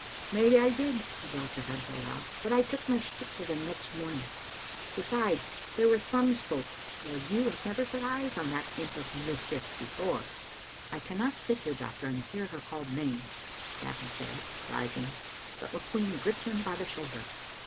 "Maybe I did," the doctor had to allow. "But I took my stick to them next morning. Besides, they were Thrums folk, while you had never set eyes on that imp of mischief before*" Digitized by VjOOQ IC 194 tCbe xmie Aitiiater. " I cannot sit here, doctor, and hear her called names, Gavin said, rising, but McQueen gripped him by the shoulder.